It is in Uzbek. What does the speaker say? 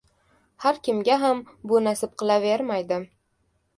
Har kimga ham bu nasib qilavermaydi.